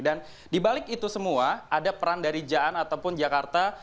dan dibalik itu semua ada peran dari jaan ataupun jakarta